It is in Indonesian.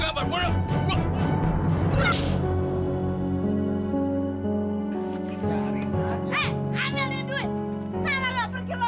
salah lu pergi lu ada salah lu